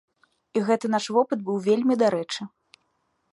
І гэты наш вопыт быў вельмі дарэчы.